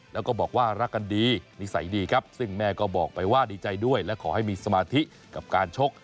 แล้วก็บอกว่ารักกันดีนิสัยดีครับซึ่งแม่ก็บอกไปว่าดีใจด้วยและขอให้มีสมาธิกับการชก